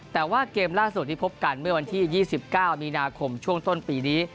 แต่ว่าเกมล่าสุดที่พบกันเมื่อวันที่๒๙มีนาคมช่วงต้นปีนี้